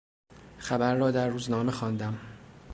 خبر را در روزنامه خواندم.